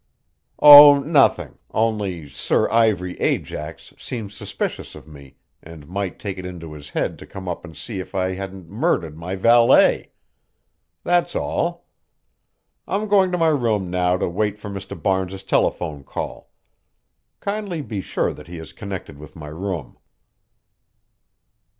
"Oh, nothing, only Sir Ivory Ajax seems suspicious of me and might take it into his head to come up and see if I hadn't murdered my valet. That's all. I'm going to my room now to wait for Mr. Barnes's telephone call. Kindly be sure that he is connected with my room."